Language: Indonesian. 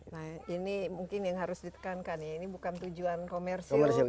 nah ini mungkin yang harus ditekankan ya ini bukan tujuan komersil